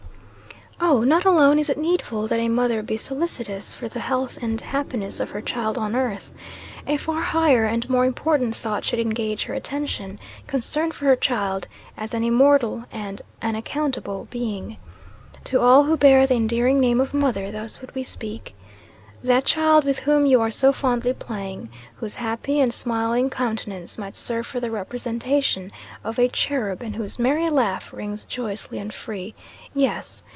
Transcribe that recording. Oh! not alone is it needful that a mother be solicitous for the health and happiness of her child on earth: a far higher and more important thought should engage her attention concern for her child as an immortal and an accountable being. To all who bear the endearing name of mother, thus would we speak: That child with whom you are so fondly playing whose happy and smiling countenance might serve for the representation of a cherub, and whose merry laugh rings joyously and free yes!